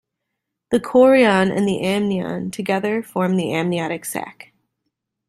The chorion and the amnion together form the amniotic sac.